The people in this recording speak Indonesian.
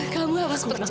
kamu harus percayain